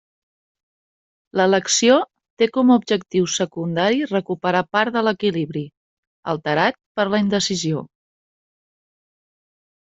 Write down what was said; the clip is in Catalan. L'elecció té com a objectiu secundari recuperar part de l'equilibri, alterat per la indecisió.